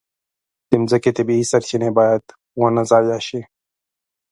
د مځکې طبیعي سرچینې باید ونه ضایع شي.